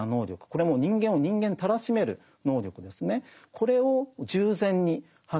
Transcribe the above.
これはもう人間を人間たらしめる能力ですね。